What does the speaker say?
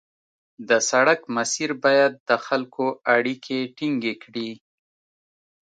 د سړک مسیر باید د خلکو اړیکې ټینګې کړي